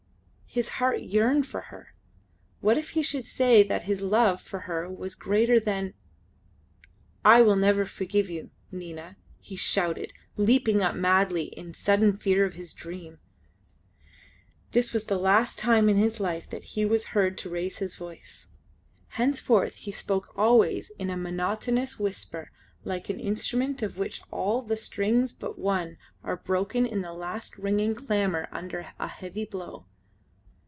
His heart yearned for her. What if he should say that his love for her was greater than ... "I will never forgive you, Nina!" he shouted, leaping up madly in the sudden fear of his dream. This was the last time in his life that he was heard to raise his voice. Henceforth he spoke always in a monotonous whisper like an instrument of which all the strings but one are broken in a last ringing clamour under a heavy blow.